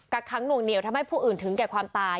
กค้างหน่วงเหนียวทำให้ผู้อื่นถึงแก่ความตาย